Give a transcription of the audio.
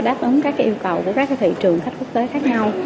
đáp ứng các cái yêu cầu của các cái thị trường khách quốc tế khác nhau